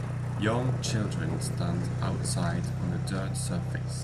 Young children stand outside on a dirt surface